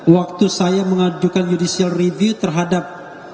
waktu saya mengajukan judicial review terhadap